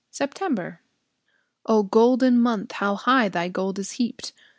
September O golden month! How high thy gold is heaped!